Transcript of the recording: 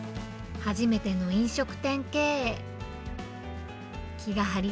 初めての飲食店経営。